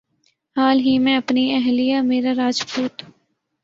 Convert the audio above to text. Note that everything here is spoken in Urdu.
حال ہی میں اپنی اہلیہ میرا راجپوت